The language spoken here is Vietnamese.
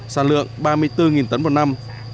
sản lượng ba mươi bốn tấn một năm